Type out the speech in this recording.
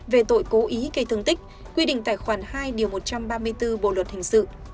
về tội cố ý gây thương tích quy định tài khoản hai điều một trăm ba mươi bốn bộ luật hình sự